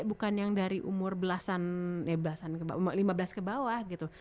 bukan yang dari umur belasan ya belasan kebawah lima belas ke bawah gitu